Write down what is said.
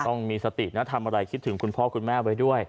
ต้องมีสตินะทำอะไรคิดถึงคุณพ่อคุณแม่ไว้ด้วย